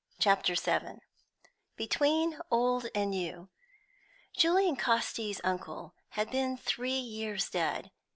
CHAPTER VII BETWEEN OLD AND NEW Julian Casti's uncle had been three years dead.